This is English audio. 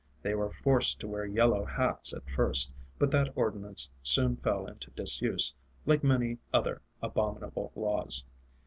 They were forced to wear yellow hats at first, but that ordinance soon fell into disuse, like many other abominable laws.